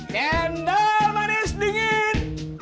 cendol manis dingin